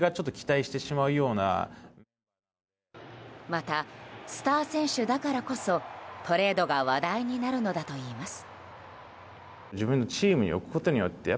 また、スター選手だからこそトレードが話題になるのだといいます。